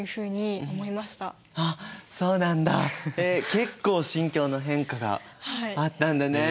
結構心境の変化があったんだね！